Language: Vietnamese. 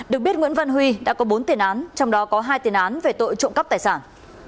được biết nguyễn văn huy đã có bốn tiền án trong đó có hai tiền án về tội trộm cắp tài sản